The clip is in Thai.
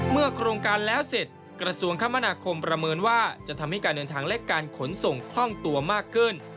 โครงการแล้วเสร็จกระทรวงคมนาคมประเมินว่าจะทำให้การเดินทางและการขนส่งคล่องตัวมากขึ้น